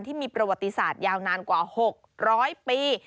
ที่มีประวัติศาสตร์ยาวนานกว่า๖๐๐ปี